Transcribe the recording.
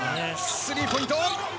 スリーポイント。